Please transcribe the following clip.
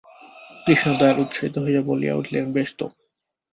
কৃষ্ণদয়াল উৎসাহিত হইয়া বলিয়া উঠিলেন, বেশ তো।